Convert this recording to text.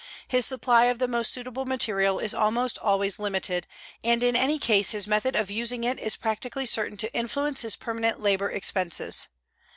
His supply of the most suitable material is almost always limited and in any case his method of using it is practically certain to influence his permanent labor expenses.